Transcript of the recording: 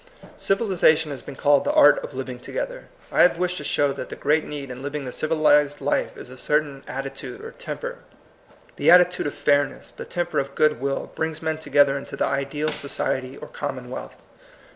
Civilization has been called "the art of living together." I have wished to show that the great need in living the civilized life is a certain attitude or temper. The attitude of fairness, the temper of good will, brings men together into the ideal society or commonwealth.